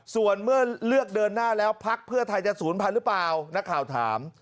ส่วนเมื่อเลือกเดินหน้าแล้วพักเพื่อไทยจะศูนย์พันธุ์หรือเปล่านักข่าวถาม